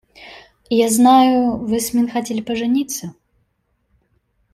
Я знаю, вы с Мин хотели пожениться.